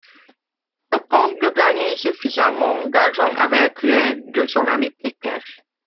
Elle tente de gagner suffisamment d'argent avec l'aide de son ami Peter.